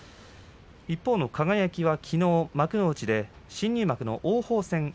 一方の輝は、きのう幕内で新入幕の王鵬戦。